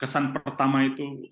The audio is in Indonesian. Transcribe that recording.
kesan pertama itu